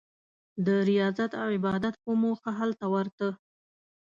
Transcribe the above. د ریاضت او عبادت په موخه هلته ورته.